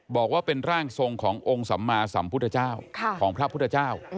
บอกว่าเป็นร่างทรงขององค์สัมมาสัมพุทธเจ้าของพระพุทธเจ้า